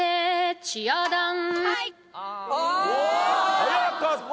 早かった！